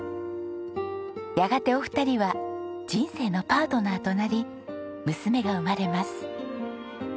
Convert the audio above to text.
やがてお二人は人生のパートナーとなり娘が生まれます。